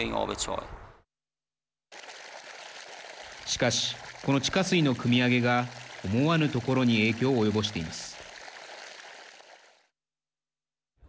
しかしこの地下水のくみ上げが思わぬところに影響を及ぼしています。